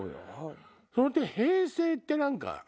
その点平成って何か。